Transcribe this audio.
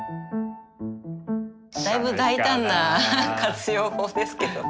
だいぶ大胆な活用法ですけどね。